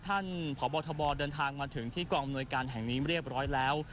ท่านพบทบเดินทางมาถึงที่กองอำนวยการแห่งนี้เรียบร้อยแล้ว